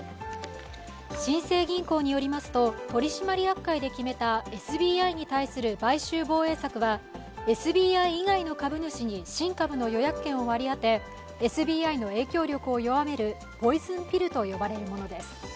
新生銀行によりますと、取締役会で決めたＳＢＩに対する買収防衛策はＳＢＩ以外の株主に新株の予約権を割り当て、ＳＢＩの影響力を弱めるポイズン・ピルと呼ばれるものです